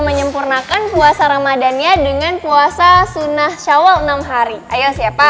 menyempurnakan puasa ramadhan ya dengan puasa sunah syawal enam hari ayo siapa